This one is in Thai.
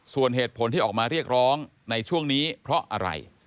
ส่วนเหตุผลที่ออกมาเรียกร้องในช่วงนี้เพราะอะไร